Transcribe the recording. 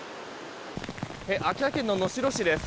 秋田県の能代市です。